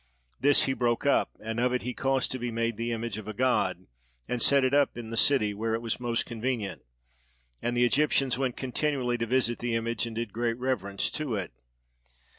This he broke up, and of it he caused to be made the image of a god, and set it up in the city, where it was most convenient; and the Egyptians went continually to visit the image and did great reverence to it.